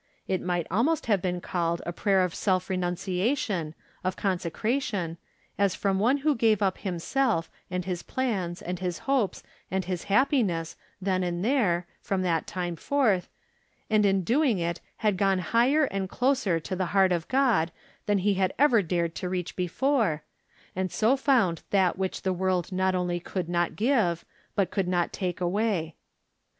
It might almost 200 From Different Standpoints. have been called a prayer of self renunciation, of consecration, as from one who gave up himself, and his plans, and his hopes, and his happiness, then and there, from that time forth, and in do ing it had gone higher and closer to the heart 'of God than he had ever dared to reach before, and so found that wliich the world not only could not give, but could not take away.